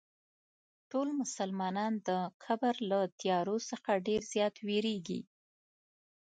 ټول مسلمانان د قبر له تیارو څخه ډېر زیات وېرېږي.